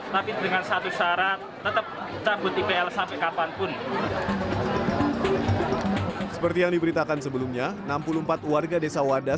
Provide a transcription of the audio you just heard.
tapi dengan satu syarat tetap takut ipl sampai kapanpun seperti yang diberitakan sebelumnya enam puluh empat warga desa wadas